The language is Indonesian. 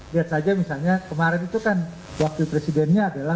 lihat saja misalnya kemarin itu kan wakil presidennya adalah